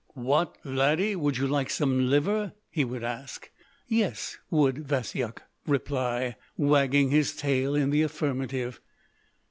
"What, laddie, would you like some liver?" he would ask. "Yes," would Vasyuk reply, wagging his tail in the affirmative.